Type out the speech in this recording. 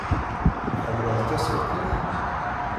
Tḥemmleḍ tasertit?